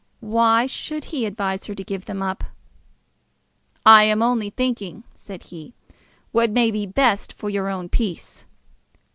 Why should he advise her to give them up? "I am only thinking," said he, "what may be the best for your own peace."